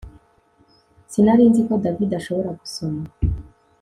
Sinari nzi ko David ashobora gusoma